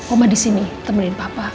oma di sini temenin papa